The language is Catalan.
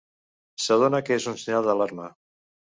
S'adona que és un senyal d'alarma.